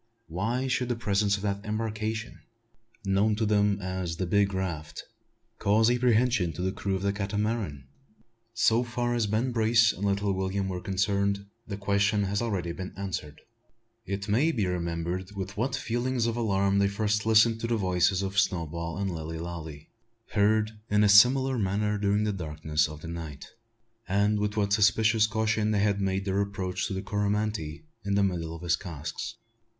Why should the presence of that embarkation known to them as the "big raft" cause apprehension to the crew of the Catamaran? So far as Ben Brace and little William were concerned, the question has been already answered. It may be remembered with what feelings of alarm they first listened to the voices of Snowball and Lilly Lalee, heard in a similar manner during the darkness of the night, and with what suspicious caution they had made their approach to the Coromantee in the middle of his casks.